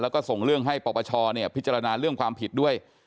แล้วก็ส่งเรื่องให้ปปชพิจารณาเรื่องความผิดด้วย